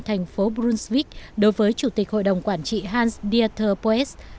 thành phố brunswick đối với chủ tịch hội đồng quản trị hans dieter poes